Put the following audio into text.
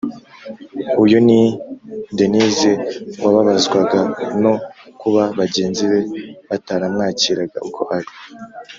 uyu ni denyse wababazwaga no kuba bagenzi be bataramwakiraga uko ari,